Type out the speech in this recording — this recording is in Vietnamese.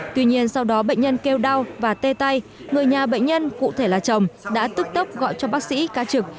tuy nhiên sau đó bệnh nhân kêu đau và tê tay người nhà bệnh nhân cụ thể là chồng đã tức tốc gọi cho bác sĩ ca trực